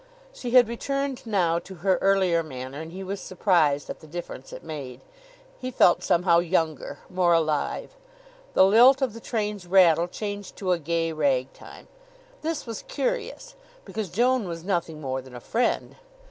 She had returned now to her earlier manner and he was surprised at the difference it made. He felt somehow younger, more alive. The lilt of the train's rattle changed to a gay ragtime. This was curious, because Joan was nothing more than a friend.